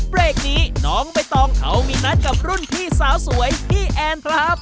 เบรกนี้น้องใบตองเขามีนัดกับรุ่นพี่สาวสวยพี่แอนครับ